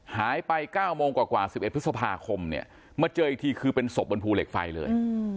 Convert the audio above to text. หายไป๙โมงกว่า๑๑พฤษภาคมเนี่ยมาเจออีกทีคือเป็นศพบนภูเหล็กไฟเลย